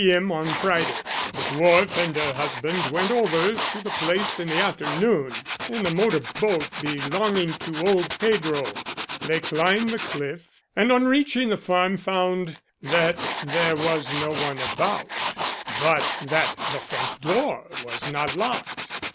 m. on Friday. The dwarf and her husband went over to the place in the afternoon in the motor boat belonging to old Pedro. They climbed the cliff, and on reaching the farm found that there was no one about, but that the front door was not locked.